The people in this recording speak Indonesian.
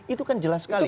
itu kan jelas sekali